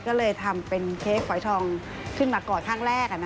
ก็เลยทำเป็นเค้กฝอยทองขึ้นมาก่อนครั้งแรก